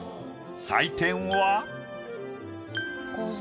採点は。